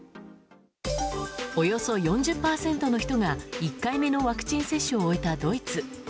およそ４０％の人が１回目のワクチン接種を終えたドイツ。